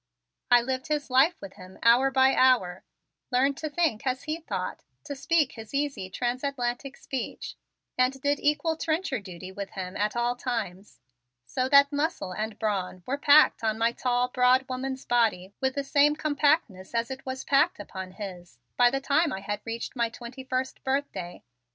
I lived his life with him hour by hour, learned to think as he thought, to speak his easy transatlantic speech, and did equal trencher duty with him at all times, so that muscle and brawn were packed on my tall, broad woman's body with the same compactness as it was packed upon his, by the time I had reached my twenty first birthday.